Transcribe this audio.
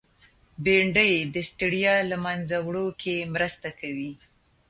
بېنډۍ د ستړیا له منځه وړو کې مرسته کوي